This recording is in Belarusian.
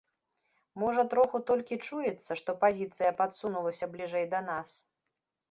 Можа, троху толькі чуецца, што пазіцыя падсунулася бліжэй да нас.